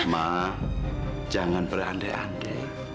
ma jangan berande ande